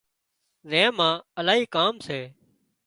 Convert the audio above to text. زين مان الاهي ڪام سي